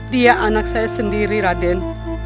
dia anak saya sendiri raden